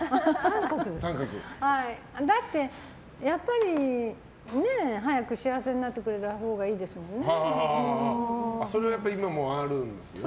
だって、やっぱり早く幸せになってくれたほうがそれは今もあるんですね。